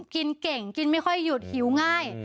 กินเก่งกินไม่ค่อยหยุดหิวง่าย